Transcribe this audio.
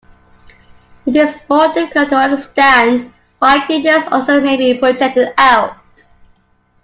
It is more difficult to understand why goodness also may be projected out.